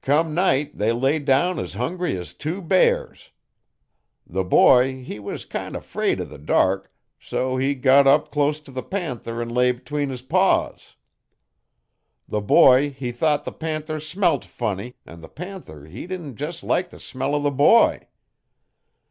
Come night they lay down es hungry es tew bears. The boy he was kind o' 'fraid 'o the dark, so he got up clus t' the panther 'n lay 'tween his paws. The boy he thought the panther smelt funny an' the panther he didn't jes' like the smell o' the boy.